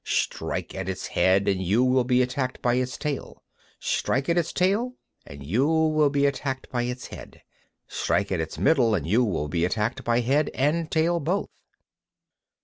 Strike at its head, and you will be attacked by its tail; strike at its tail, and you will be attacked by its head; strike at its middle, and you will be attacked by head and tail both.